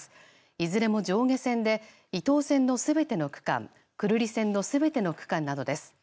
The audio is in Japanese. いずれも上下線で伊東線のすべての区間久留里線のすべての区間などです。